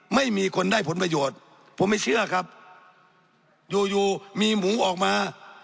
ไม่มีคนได้ผลประโยชน์ผมไม่เชื่อครับอยู่อยู่มีหมูออกมา